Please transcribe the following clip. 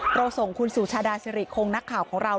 เราส่งคุณสุชาดาสิริคงนักข่าวของเรา